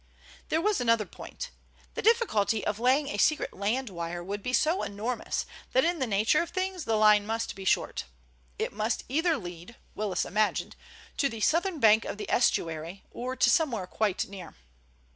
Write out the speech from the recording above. There was another point. The difficulty of laying a secret land wire would be so enormous that in the nature of things the line must be short. It must either lead, Willis imagined, to the southern bank of the estuary or to somewhere quite near.